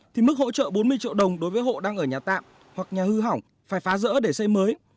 thì mức hỗ trợ bốn mươi triệu đồng đối với hộ đang ở nhà tạm hoặc nhà hư hỏng phải phá rỡ để xây mới